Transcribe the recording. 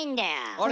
あれ？